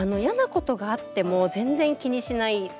嫌なことがあっても全然気にしない。